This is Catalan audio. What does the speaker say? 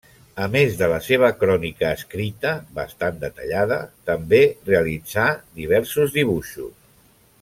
A més de la seva crònica escrita, bastant detallada, també realitzà diversos dibuixos.